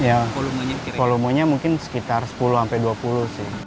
ya volumenya mungkin sekitar sepuluh sampai dua puluh sih